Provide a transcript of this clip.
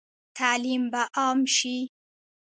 تعلیم به عام شي؟